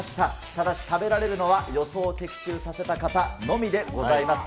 ただし食べられるのは予想を的中させた方のみでございます。